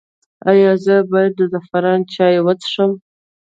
ایا زه باید د زعفران چای وڅښم؟